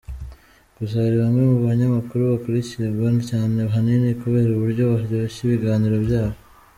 Gusa, hari bamwe mu banyamakuru bakurikirwa cyane ahanini kubera uburyo baryoshya ibiganiro byabo.